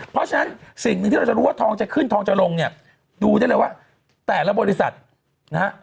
เพราะฉะนั้นสิ่งหนึ่งที่เราจะรู้ว่าทองจะขึ้นทองจะลงเนี่ยดูได้เลยว่าแต่ละบริษัทนะฮะ